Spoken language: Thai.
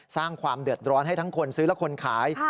สร้างความเดือดร้อนให้ทั้งคนซื้อและคนขาย